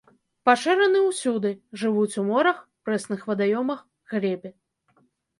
Пашыраны ўсюды, жывуць у морах, прэсных вадаёмах, глебе.